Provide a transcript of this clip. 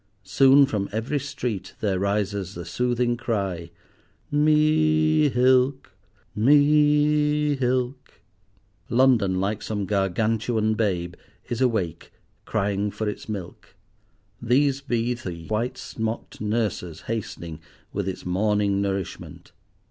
Soon from every street there rises the soothing cry, "Mee'hilk—mee'hilk." London like some Gargantuan babe, is awake, crying for its milk. These be the white smocked nurses hastening with its morning nourishment.